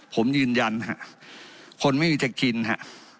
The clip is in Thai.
ผมยืนยันฮะคนไม่มีจะกินฮะ